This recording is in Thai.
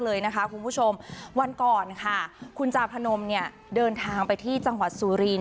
เลยนะคะคุณผู้ชมวันก่อนค่ะคุณจาพนมเนี่ยเดินทางไปที่จังหวัดสุริน